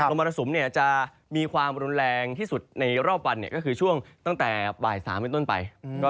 มรสุมจะมีความรุนแรงที่สุดในรอบวันก็คือช่วงตั้งแต่บ่าย๓เป็นต้นไป